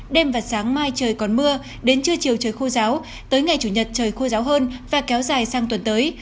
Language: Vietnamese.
đêm và sáng mai trời còn mưa đến trưa chiều trời khô ráo tới ngày chủ nhật trời khô ráo hơn và kéo dài sang tuần tới